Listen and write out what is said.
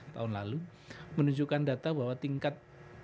tahun lalu menunjukkan data bahwa tingkat